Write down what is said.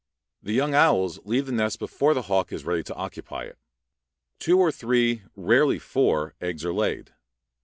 The young owls leave the nest before the hawk is ready to occupy it. Two or three, rarely four, eggs are laid.